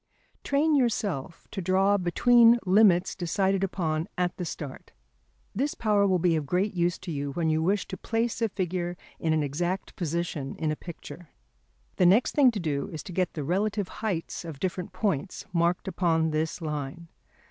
Train yourself to draw between limits decided upon at the start. This power will be of great use to you when you wish to place a figure in an exact position in a picture. The next thing to do is to get the relative heights of different points marked upon this line.